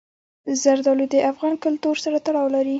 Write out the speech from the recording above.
زردالو د افغان کلتور سره تړاو لري.